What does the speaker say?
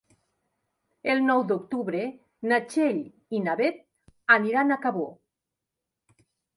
El nou d'octubre na Txell i na Beth aniran a Cabó.